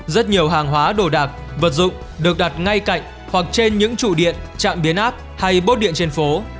rất nhiều hàng hóa đồ đạc vật dụng được đặt ngay cạnh hoặc trên những trụ điện trạm biến áp hay bốt điện trên phố